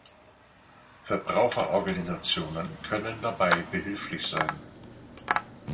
Verbraucherorganisationen können dabei behilflich sein.